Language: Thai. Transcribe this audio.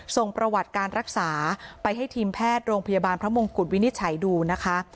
ส่งประวัติการรักษาไปให้ทีมแพทย์โรงพยาบาลพระมงกุฎวินิจฉัยดูนะคะ